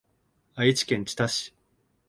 愛知県知多市